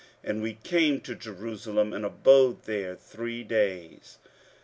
15:008:032 And we came to Jerusalem, and abode there three days.